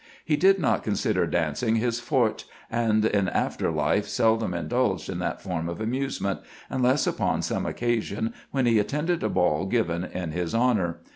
He did not consider dancing his forte, and in after life seldom indulged in that form of amusement, unless upon some occasion when he attended a ball given in his honor.